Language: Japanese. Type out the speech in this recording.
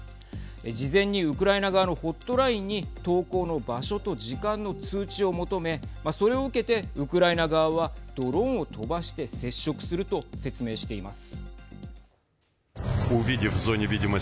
事前にウクライナ側のホットラインに投降の場所と時間の通知を求めそれを受けてウクライナ側はドローンを飛ばして接触すると説明しています。